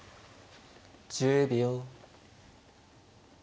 １０秒。